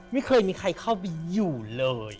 ไม่เคยมีใครเข้าไปอยู่เลย